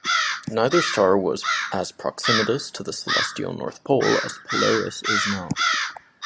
Neither star was as proximitous to the celestial north pole as Polaris is now.